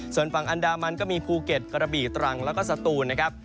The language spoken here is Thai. ส่วนฝั่งอันดามันก็มีภูเก็ตกระบี่ตรังแล้วก็สตูนนะครับ